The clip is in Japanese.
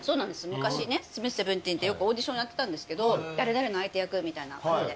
昔ねミスセブンティーンってよくオーディションやってたんですけど誰々の相手役みたいなあれで。